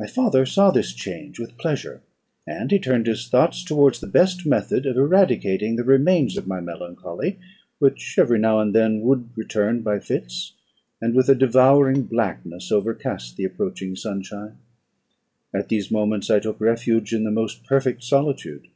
My father saw this change with pleasure, and he turned his thoughts towards the best method of eradicating the remains of my melancholy, which every now and then would return by fits, and with a devouring blackness overcast the approaching sunshine. At these moments I took refuge in the most perfect solitude.